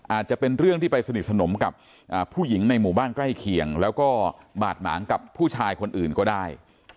อาจจะเป็นเรื่องที่ไปสนิทสนมกับผู้หญิงในหมู่บ้านใกล้เคียงแล้วก็บาดหมางกับผู้ชายคนอื่นก็ได้